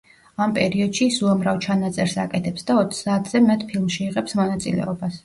ამ პერიოდში ის უამრავ ჩანაწერს აკეთებს და ოცდაათზე მეტ ფილმში იღებს მონაწილეობას.